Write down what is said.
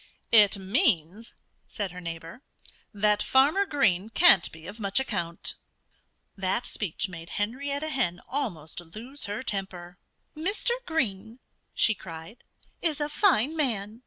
"It means," said her neighbor, "that Farmer Green can't be of much account." That speech made Henrietta Hen almost lose her temper. "Mr. Green," she cried, "is a fine man.